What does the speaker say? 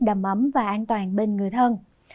đầm ấm và an toàn bên người thân